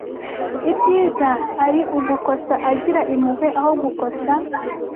ibyiza ari ugukosa agira impuhwe aho gukosa